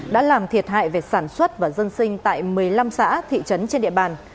đã làm thiệt hại về sản xuất và dân sinh tại một mươi năm xã thị trấn trên địa bàn